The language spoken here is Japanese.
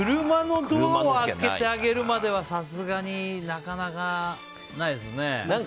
車のドアを開けてあげるまではさすがになかなかないですね。